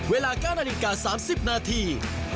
เวลา๙นาฬิกา๓๐นาที